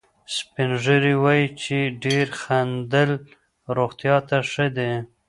سپین ږیري وایي چې ډېر خندل روغتیا ته ښه دي.